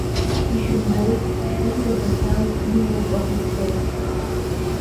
Ишәымбои, шәҩыза Баҭал имоуп ахықәкы.